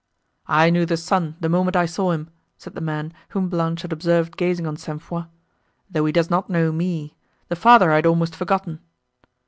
"I knew the son, the moment I saw him," said the man, whom Blanche had observed gazing on St. Foix, "though he does not know me; the father I had almost forgotten."